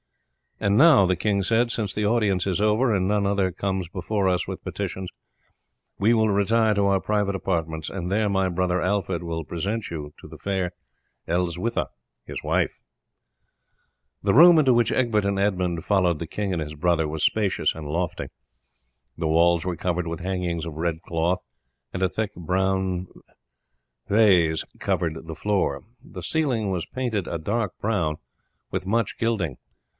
"And now," the king said, "since the audience is over, and none other comes before us with petitions, we will retire to our private apartments, and there my brother Alfred will present you to the fair Elswitha, his wife." The room into which Egbert and Edmund followed the king and his brother was spacious and lofty. The walls were covered with hangings of red cloth, and a thick brown baize covered the floor. The ceiling was painted a dark brown with much gilding.